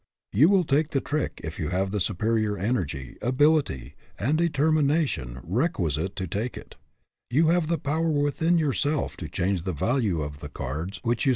You will take the trick if you have the superior energy, ability, and determination requisite to take it. You have the power within yourself to change the value of the cards which, you 220 WHAT HAS LUCK DONE?